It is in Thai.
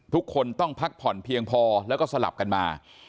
ทุกคนต้องพักผ่อนเพียงพอแล้วก็สลับกันมา